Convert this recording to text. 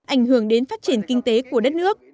ảnh hưởng đến phát triển kinh tế của đất nước